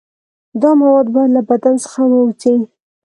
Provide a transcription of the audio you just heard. دا مواد باید له بدن څخه ووځي.